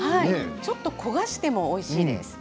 ちょっと焦がしてもおいしいです。